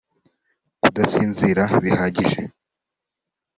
Kudasinzira bihagije